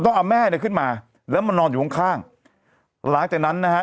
เอาแม่เนี่ยขึ้นมาแล้วมานอนอยู่ข้างข้างหลังจากนั้นนะฮะ